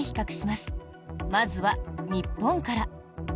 まずは日本から。